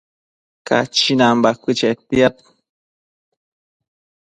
Cachinan bacuë chetiad